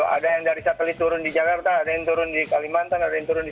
ada yang dari satelit turun di jakarta ada yang turun di kalimantan ada yang turun di